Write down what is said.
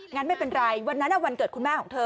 งั้นไม่เป็นไรวันนั้นวันเกิดคุณแม่ของเธอ